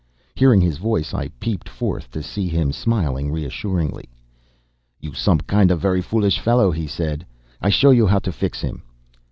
Hearing his voice, I peeped forth, to see him smiling reassuringly. "You some kind of very foolish fellow," he said. "I show you how to fix him!"